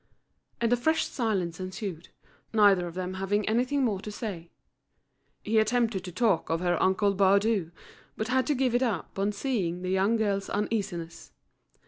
And a fresh silence ensued, neither of them having anything more to say. He attempted to talk of her uncle Baudu; but had to give it up on seeing the young girl's uneasiness.